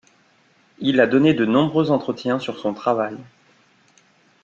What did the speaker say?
Il a donné de nombreux entretiens sur son travail.